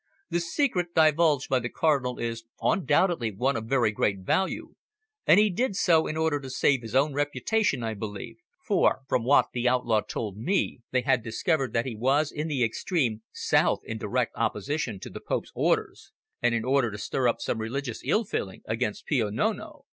"The secret divulged by the Cardinal is undoubtedly one of very great value, and he did so in order to save his own reputation, I believe, for from what the outlaw told me, they had discovered that he was in the extreme south in direct opposition to the Pope's orders, and in order to stir up some religious ill feeling against Pio Nono.